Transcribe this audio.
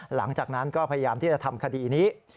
หลังจากนั้นก็พยายามที่จะทำคดีนี้